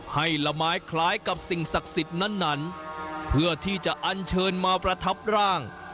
ละไม้คล้ายกับสิ่งศักดิ์สิทธิ์นั้นเพื่อที่จะอันเชิญมาประทับร่าง